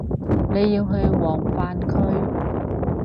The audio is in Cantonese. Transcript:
你要去黃泛區